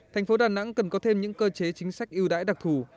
tp đà nẵng cần có thêm những cơ chế chính sách ưu đãi đặc thù